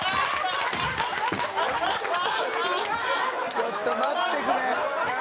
ちょっと待ってくれ。